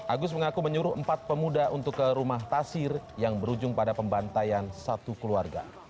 agus mengaku menyuruh empat pemuda untuk ke rumah tasir yang berujung pada pembantaian satu keluarga